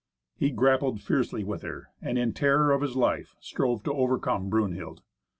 He grappled fiercely with her, and, in terror of his life, strove to overcome Brunhild.